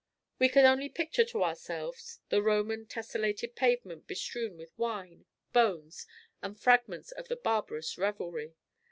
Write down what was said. We can only picture to ourselves the Roman tesselated pavement bestrewn with wine, bones, and fragments of the barbarous revelry.